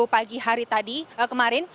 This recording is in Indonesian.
pagi hari tadi kemarin